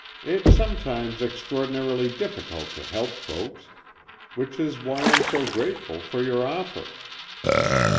It's sometimes extraordinarily difficult to help folks which is why I'm so grateful for your offer."